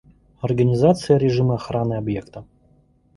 Организация режима охраны объекта